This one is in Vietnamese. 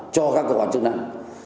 cho các cơ quan chức năng